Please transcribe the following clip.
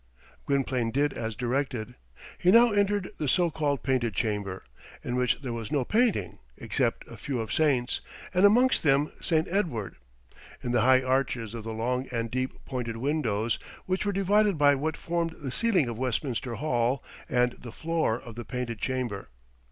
Gwynplaine did as directed. He now entered the so called Painted Chamber, in which there was no painting, except a few of saints, and amongst them St. Edward, in the high arches of the long and deep pointed windows, which were divided by what formed the ceiling of Westminster Hall and the floor of the Painted Chamber.